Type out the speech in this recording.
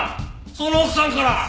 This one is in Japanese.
その奥さんから。